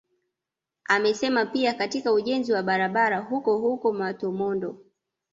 Amesema pia katika ujenzi wa barabara huko huko Matomondo